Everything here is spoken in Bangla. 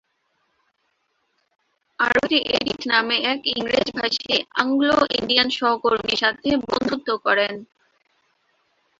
আরতি এডিথ নামে এক ইংরেজিভাষী অ্যাংলো-ইন্ডিয়ান সহকর্মীর সঙ্গে বন্ধুত্ব করেন।